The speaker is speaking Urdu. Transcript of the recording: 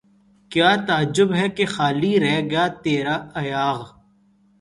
کیا تعجب ہے کہ خالی رہ گیا تیرا ایاغ